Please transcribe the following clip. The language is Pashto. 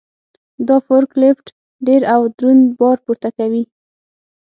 دا فورک لیفټ ډېر او دروند بار پورته کوي.